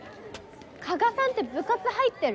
加賀さんって部活入ってる？